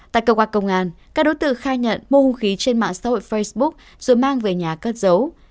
tại cơ quan công an các đối tượng khai nhận mua hung khí trên mạng xã hội facebook rồi mang về nhà cất giấu